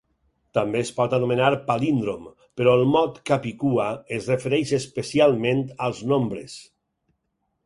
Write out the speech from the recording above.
També es pot anomenar palíndrom, però el mot capicua es refereix especialment als nombres.